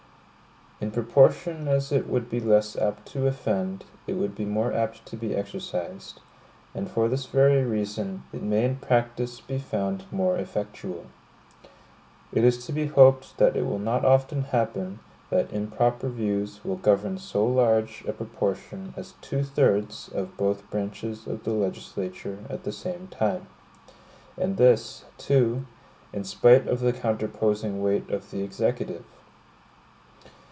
In proportion as it would be less apt to offend, it would be more apt to be exercised; and for this very reason, it may in practice be found more effectual. It is to be hoped that it will not often happen that improper views will govern so large a proportion as two thirds of both branches of the legislature at the same time; and this, too, in spite of the counterposing weight of the Executive.